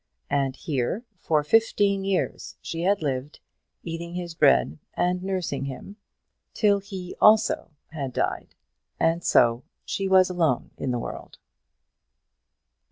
And here for fifteen years she had lived, eating his bread and nursing him, till he also died, and so she was alone in the world.